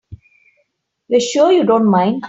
You're sure you don't mind?